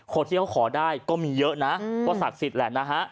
คนที่เขาขอได้ก็มีเยอะนะก็ศักดิ์สิทธิ์แหละนะฮะ